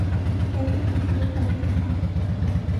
Era inofensivo para los humanos.